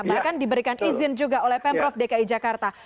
bahkan diberikan izin juga oleh pemprov dki jakarta